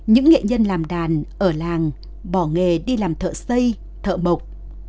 những nghệ nhân làm đàn ở làng bỏ nghề đi làm thợ xây thợ mộc